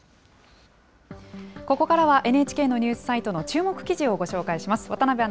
ここからはＮＨＫのニュースサイトの注目記事をご紹介します。